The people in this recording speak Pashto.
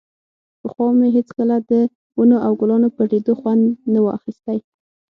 پخوا مې هېڅکله د ونو او ګلانو پر ليدو خوند نه و اخيستى.